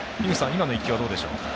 今の１球はどうでしょうか。